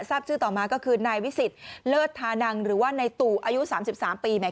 ทราบชื่อต่อมาก็คือนายวิสิทธิ์เลิศธานังหรือว่าในตู่อายุ๓๓ปีเนี่ย